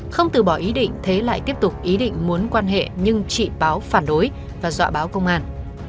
không từ bỏ ý định thế lại tiếp tục ý định muốn quan hệ nhưng chị báo phản đối và dọa báo công an